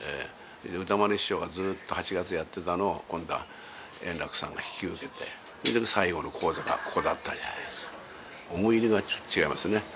歌丸師匠がずっと８月やってたのを、今度は円楽さんが引き受けて、それで最後の高座がここだったじゃないですか。